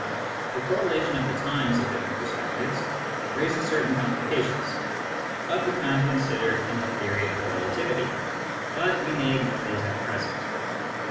(The correlation of the times of diflTerent perspectives raises certain complications, of the kind considered in the theory of relativity ; but we may ignore these at present.)